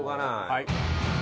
はい。